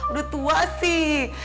udah tua sih